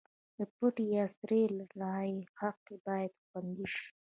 د پټې یا سري رایې حق باید خوندي شي.